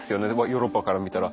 ヨーロッパから見たら。